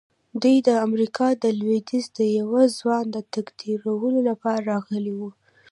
دوی د امریکا د لويديځ د یوه ځوان د تقدیرولو لپاره راغلي وو